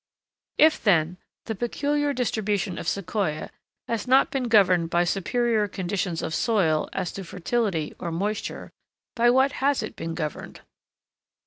If, then, the peculiar distribution of Sequoia has not been governed by superior conditions of soil as to fertility or moisture, by what has it been governed?